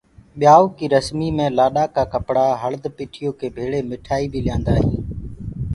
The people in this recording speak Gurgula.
ڀيآئوٚ ڪي رسمي مي لآڏيآ ڪآ ڪپڙا هݪد پِٺيو ڪي ڀيݪی مٺآئي بيٚ ليِآندآ هينٚ۔